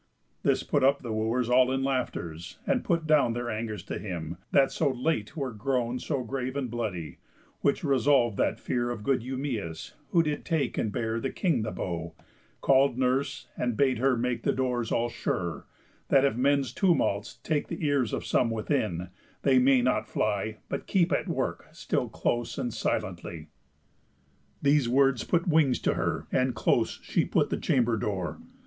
This put up The Wooers all in laughters, and put down Their angers to him, that so late were grown So grave and bloody; which resolv'd that fear Of good Eumæus, who did take and bear The King the bow; call'd nurse, and bade her make The doors all sure, that if men's tumults take The ears of some within, they may not fly, But keep at work still close and silently. These words put wings to her, and close she put The chamber door.